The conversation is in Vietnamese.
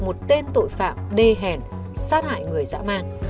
một tên tội phạm đê hèn sát hại người dã man